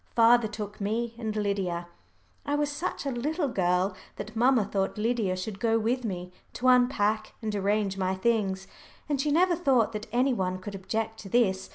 Father took me and Lydia. I was such a little girl that mamma thought Lydia should go with me to unpack and arrange my things, and she never thought that any one could object to this.